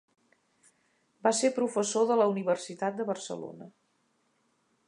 Va ser professor de la Universitat de Barcelona.